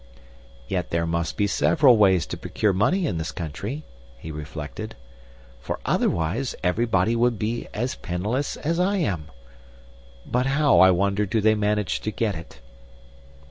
"Yet there must be several ways to procure money in this country," he reflected; "for otherwise everybody would be as penniless as I am. But how, I wonder, do they manage to get it?"